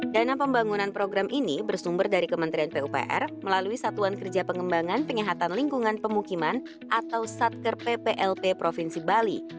dana pembangunan program ini bersumber dari kementerian pupr melalui satuan kerja pengembangan penyihatan lingkungan pemukiman atau satker pplp provinsi bali